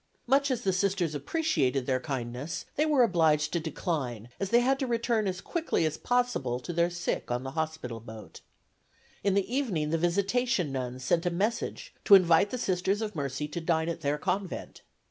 Much as the Sisters appreciated their kindness, they were obliged to decline, as they had to return as quickly as possible to their sick on the hospital boat. In the evening the Visitation Nuns sent a message to invite the Sisters of Mercy to dine at their convent.